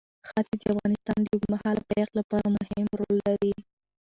ښتې د افغانستان د اوږدمهاله پایښت لپاره مهم رول لري.